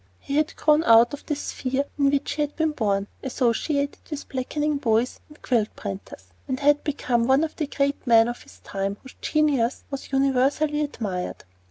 He had grown out of the sphere in which he had been born, "associated with blacking boys and quilt printers," and had become one of the great men of his time, whose genius was universally admired.